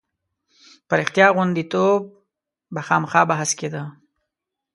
په رښتیا غوندېتوب به خامخا بحث کېده.